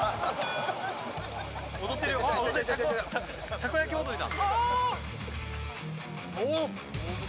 たこ焼き踊りだ。